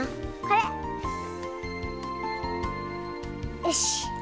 よし。